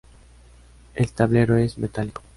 El tablero es metálico.